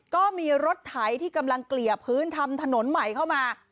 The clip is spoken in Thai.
ก็มีรถไถที่กำลังเกลี่ยพื้นทำถนนใหม่เข้ามา